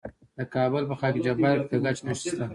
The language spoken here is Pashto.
د کابل په خاک جبار کې د ګچ نښې شته.